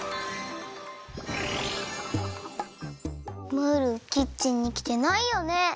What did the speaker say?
ムールキッチンにきてないよね？